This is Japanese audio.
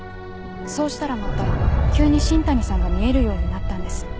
そうしたらまた急に新谷さんが見えるようになったんです。